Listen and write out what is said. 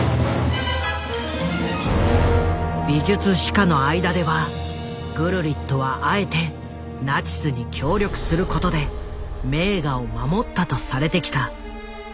美術史家の間ではグルリットはあえてナチスに協力することで名画を守ったとされてきた。